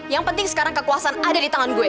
yang penting sekarang kekuasaan ada di tangan gue